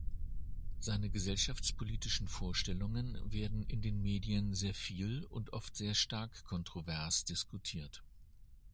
Seine gesellschaftspolitischen Vorstellungen werden in den Medien sehr viel und oft stark kontrovers diskutiert.